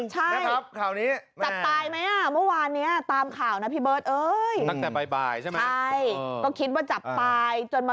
ให้มาตั้งใจ